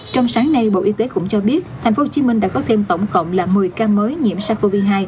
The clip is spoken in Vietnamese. trong sáng nay bộ y tế cũng cho biết tp hcm đã có thêm tổng cộng là một mươi ca mới nhiễm sars cov hai